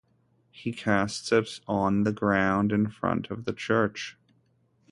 He casts it on the ground in front of the church.